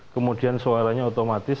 kemudian suaranya otomatis